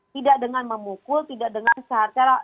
tidak dengan memukul tidak dengan cara cara